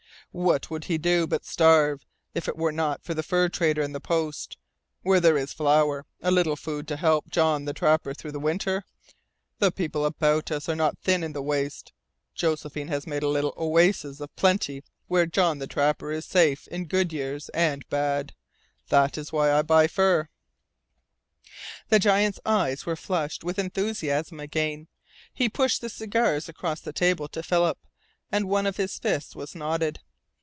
What would he do, but starve, if it were not for the fur trader and the post, where there is flour, a little food to help John the Trapper through the winter? The people about us are not thin in the waist. Josephine has made a little oasis of plenty where John the Trapper is safe in good years and bad. That's why I buy fur." The giant's eyes were flushed with enthusiasm again. He pushed the cigars across the table to Philip, and one of his fists was knotted.